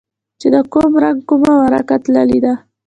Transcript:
چې د کوم رنگ کومه ورقه تللې ده.